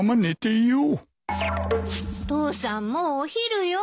父さんもうお昼よ。